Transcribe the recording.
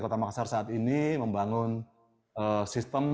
kota makassar saat ini membangun sistem